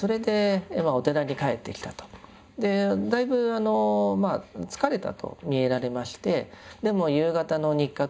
だいぶまあ疲れたと見えられましてでも夕方の日課としてですね